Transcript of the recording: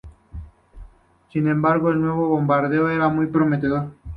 Sin embargo, el nuevo bombardero era muy prometedor.